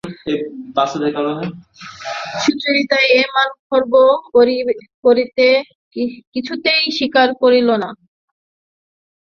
সুচরিতা এই মান খর্ব করিতে কিছুতেই স্বীকার করিল না।